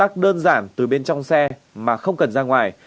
sau tác đơn giản từ bên trong xe mà không cần ra ngoài